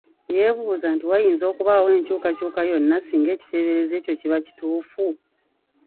Yeebuuza nti wayinza okubaawo enkyukakyuka yonna singa ekiteeberezo ekyo kiba kituufu?